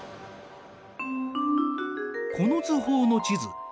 この図法の地図